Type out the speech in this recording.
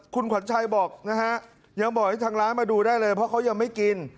คุณขวัญชัยบอกนะฮะยังบอกให้ทางร้านมาดูได้เลยเพราะเขายังไม่กิน